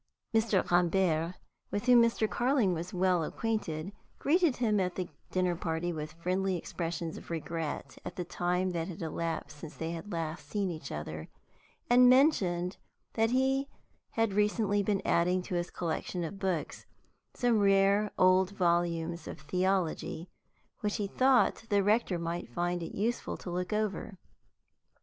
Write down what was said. Mr. Rambert (with whom Mr. Carling was well acquainted) greeted him at the dinner party with friendly expressions of regret at the time that had elapsed since they had last seen each other, and mentioned that he had recently been adding to his collection of books some rare old volumes of theology, which he thought the rector might find it useful to look over.